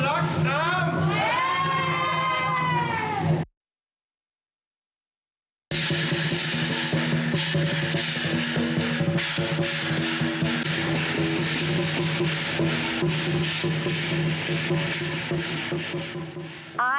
ผมรักน้ำ